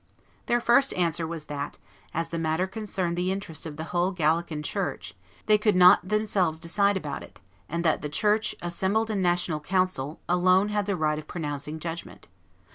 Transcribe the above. Their first answer was that, as the matter concerned the interest of the whole Gallican church, they could not themselves decide about it, and that the church, assembled in national council, alone had the right of pronouncing judgment.